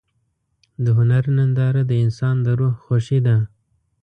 د هنر ننداره د انسان د روح خوښي ده.